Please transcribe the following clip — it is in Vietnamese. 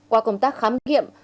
qua công tác khám nghiệm